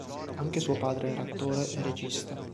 Anche suo padre era attore e regista.